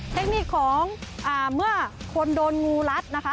เทคนิคของเมื่อคนโดนงูรัดนะคะ